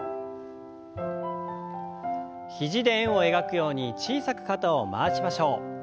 肘で円を描くように小さく肩を回しましょう。